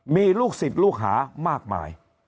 มีลูกศิษย์ลูกหามากมาย